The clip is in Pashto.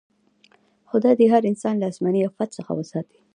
خدای دې هر انسان له اسماني افت څخه وساتي.